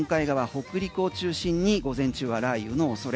北陸を中心に午前中は雷雨のおそれ。